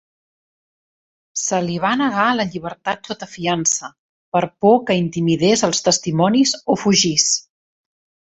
Se li va negar la llibertat sota fiança, per por que intimidés els testimonis o fugís.